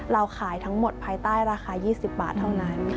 เราขายทั้งหมดภายใต้ราคา๒๐บาทเท่านั้น